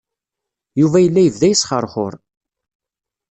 Yuba yella yebda yesxeṛxuṛ.